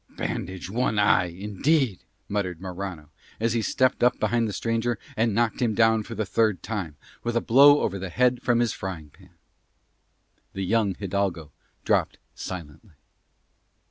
"Bandage one eye, indeed!" muttered Morano as he stepped up behind the stranger and knocked him down for the third time with a blow over the head from his frying pan. The young hidalgo dropped silently.